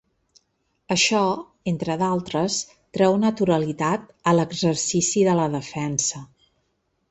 Això, entre d’altres, treu naturalitat a l’exercici de la defensa.